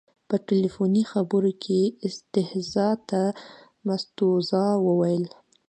په تلیفوني خبرو کې یې استیضاح ته مستوزا وویل.